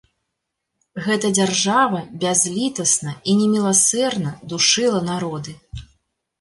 Гэта дзяржава бязлітасна і неміласэрна душыла народы.